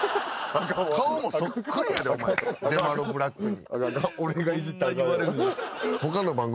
顔もそっくりやでお前デマロ・ブラックに。